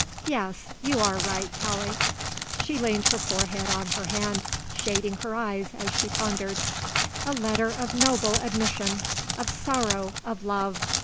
Yes; you are right, Tallie." She leaned her forehead on her hand, shading her eyes as she pondered. "A letter of noble admission; of sorrow; of love.